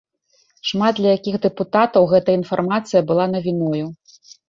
Шмат для якіх дэпутатаў гэтая інфармацыя была навіною.